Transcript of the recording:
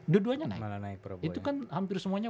dua duanya itu kan hampir semuanya